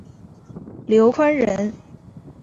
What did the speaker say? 刘宽人。